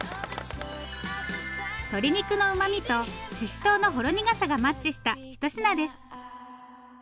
鶏肉のうまみとししとうのほろ苦さがマッチしたひと品です。